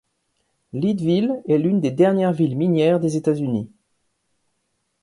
Leadville est l'une des dernières villes minières des États-Unis.